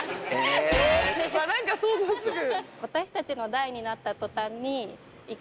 何か想像つく。